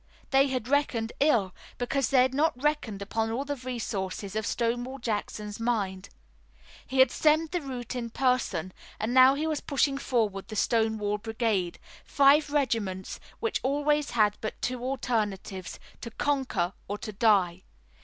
They had reckoned ill, because they had not reckoned upon all the resources of Stonewall Jackson's mind. He had stemmed the rout in person and now he was pushing forward the Stonewall Brigade, five regiments, which always had but two alternatives, to conquer or to die.